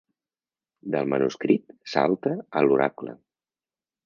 Del manuscrit salta a l'oracle.